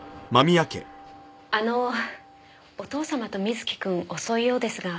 あのお父様と瑞貴くん遅いようですが。